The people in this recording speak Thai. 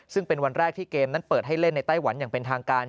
ซึ่งเป็นวันแรกที่เกมนั้นเปิดให้เล่นในไต้หวันอย่างเป็นทางการ